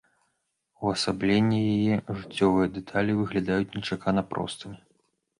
Увасабленне яе, жыццёвыя дэталі выглядаюць нечакана простымі.